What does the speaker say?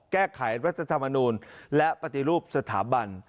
แก้ไขรัฐธรรมนูลและปฏิรูปสถาบัน